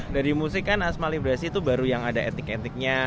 dari musik kan asmalibrasi itu baru yang ada etik etiknya